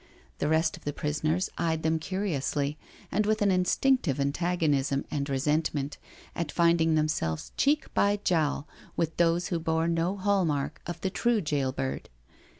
The rest of the prisoners eyed them curiously and with an instinctive antagonism and resentment at finding themselves cheek by jowl with those who bore no hall mark of the true jail bird.